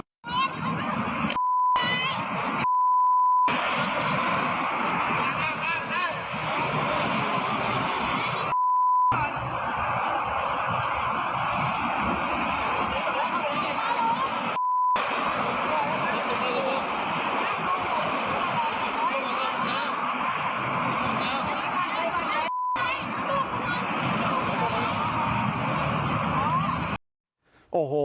โหโอ้โหโหโห